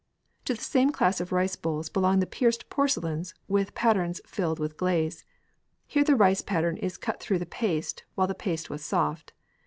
To the same class of rice bowls belong the pierced porcelains with patterns filled with glaze. Here the rice pattern is cut through the paste while the paste was soft.